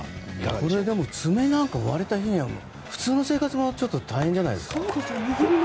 これ爪なんか割れた日には普通の生活でも大変じゃないですか？